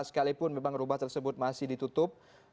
sekalipun memang rumah tersebut masih ditutup